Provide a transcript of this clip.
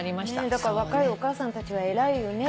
だから若いお母さんたちは偉いよね。